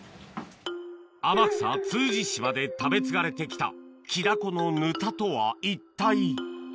天草・通詞島で食べ継がれてきたキダコのヌタとは一体？